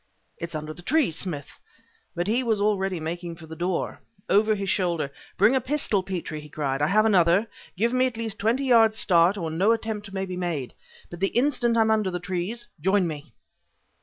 "It's under the trees, Smith!" But he was already making for the door. Over his shoulder: "Bring the pistol, Petrie!" he cried; "I have another. Give me at least twenty yards' start or no attempt may be made. But the instant I'm under the trees, join me."